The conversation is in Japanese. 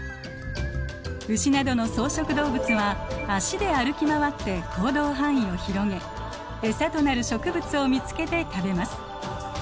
ウシなどの草食動物は脚で歩き回って行動範囲を広げエサとなる植物を見つけて食べます。